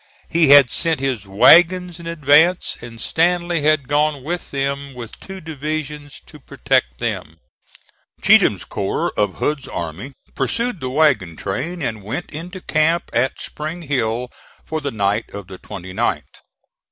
He had sent his wagons in advance, and Stanley had gone with them with two divisions to protect them. Cheatham's corps of Hood's army pursued the wagon train and went into camp at Spring Hill, for the night of the 29th.